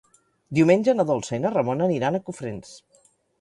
Diumenge na Dolça i na Ramona aniran a Cofrents.